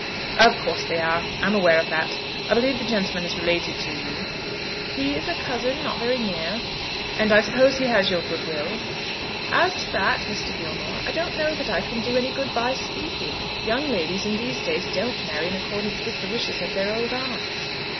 "Of course they are. I am aware of that. I believe the gentleman is related to you." "He is a cousin, not very near." "And I suppose he has your good will?" "As to that, Mr. Gilmore, I don't know that I can do any good by speaking. Young ladies in these days don't marry in accordance with the wishes of their old aunts."